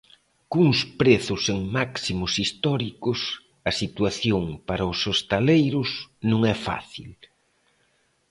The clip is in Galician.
Cuns prezos en máximos históricos, a situación para os hostaleiros non é fácil.